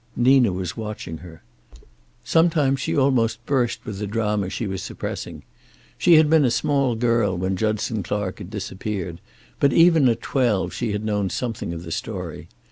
Nina was watching her. Sometimes she almost burst with the drama she was suppressing. She had been a small girl when Judson Clark had disappeared, but even at twelve she had known something of the story.